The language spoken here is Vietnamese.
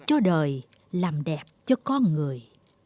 cho đời làm đẹp cho con người